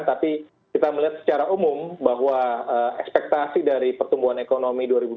tapi kita melihat secara umum bahwa ekspektasi dari pertumbuhan ekonomi dua ribu dua puluh